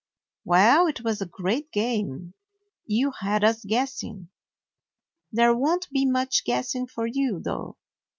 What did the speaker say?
Well, it was a great game. You had us guessing. There won't be much guessing for you, though.